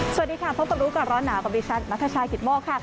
สวัสดีค่ะพบกับรู้ก่อนร้อนหนาวกับดิฉันนัทชายกิตโมกค่ะ